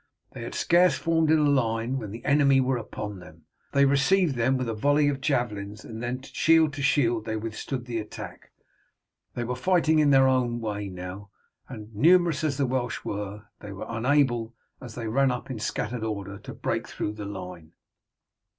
They had scarce formed in line when the enemy were upon them. They received them with a volley of javelins, and then shield to shield they withstood the attack They were fighting in their own way now, and numerous as the Welsh were, they were unable, as they ran up in scattered order, to break through the line.